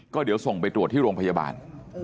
ก็เดี๋ยวส่งไปตรวจที่โรงพยาบาล